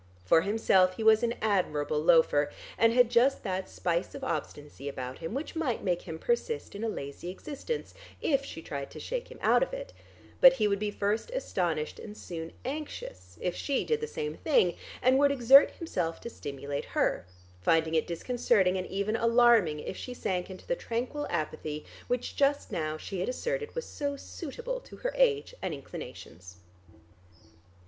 For himself he was an admirable loafer, and had just that spice of obstinacy about him which might make him persist in a lazy existence, if she tried to shake him out of it, but he would be first astonished and soon anxious if she did the same thing, and would exert himself to stimulate her, finding it disconcerting and even alarming if she sank into the tranquil apathy which just now she had asserted was so suitable to her age and inclinations.